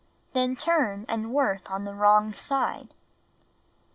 Then turn, and work on the wrong side.